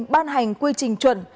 ban hành quy trình chuẩn